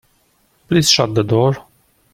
Please shut the door.